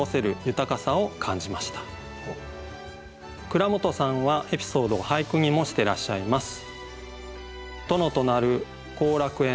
蔵本さんはエピソードを俳句にもしてらっしゃいます。